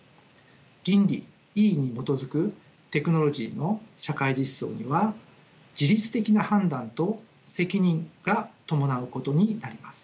倫理に基づくテクノロジーの社会実装には自律的な判断と責任が伴うことになります。